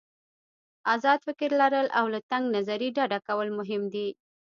آزاد فکر لرل او له تنګ نظري ډډه کول مهم دي.